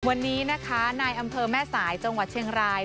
วันนี้นะคะนายอำเภอแม่สายจังหวัดเชียงราย